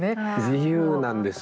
自由なんですよ。